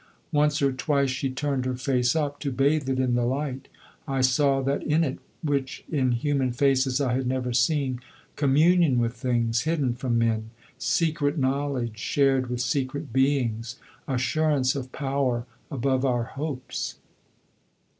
Once or twice she turned her face up, to bathe it in the light. I saw that in it which in human faces I had never seen communion with things hidden from men, secret knowledge shared with secret beings, assurance of power above our hopes.